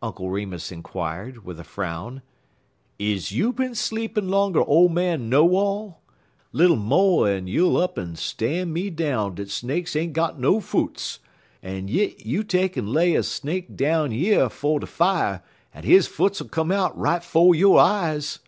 Uncle Remus inquired, with a frown. "Is you been sleepin' longer ole man Know All? Little mo' en you'll up'n stan' me down dat snakes ain't got no foots, and yit you take en lay a snake down yer 'fo' de fier, en his foots 'll come out right 'fo' yo' eyes."